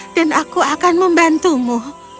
dan aku akan membantumu